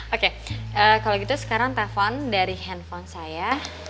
oke kalau gitu sekarang telpon dari handphone saya